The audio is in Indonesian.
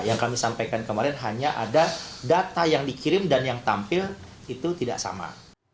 yang kami sampaikan kemarin hanya ada data yang dikirim dan yang tampil itu tidak sama